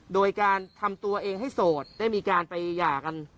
โดยการทำตัวเองให้โสดได้มีการไปหย่ากัน